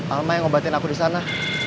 alma yang ngobatin aku disana